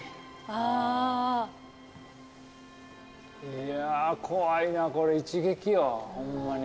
いや怖いなこれ一撃よホンマに。